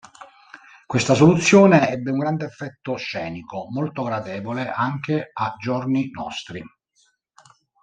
Questa soluzione ebbe un grande effetto scenico, molto gradevole anche a giorni nostri.